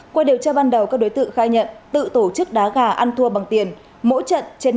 qua điều tra ban đầu các đối tượng khai nhận tự tổ chức đá gà ăn thua bằng tiền mỗi trận trên năm mươi triệu đồng